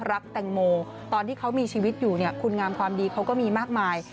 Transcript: รักแตงโมตอนที่เขามีชีวิตอยู่เนี่ยคุณงามความดีเขาก็มีมากมาย